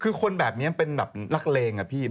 คือคนแบบนี้เป็นแบบนักเลงอะพี่